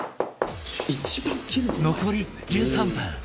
残り１３分